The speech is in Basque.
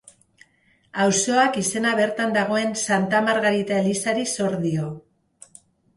Auzoak izena bertan dagoen Santa Margarita elizari zor dio.